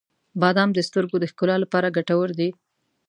• بادام د سترګو د ښکلا لپاره ګټور دي.